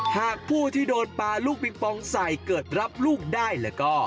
หากผู้ที่โดนปลาลูกปิงปองใส่เกิดรับลูกได้แล้วก็